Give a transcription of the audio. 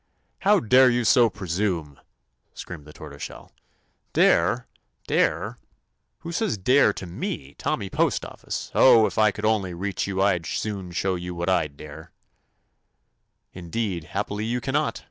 "How dare you so presume *?" screamed the Tortoise shell. "Dare I Dare I Who says 'dare' 139 THE ADVENTURES OF to me. Tommy Postoffice'? Oh, it I could only reach you I d soon show you what I 'd dare I" "Indeed I happily, you cannot.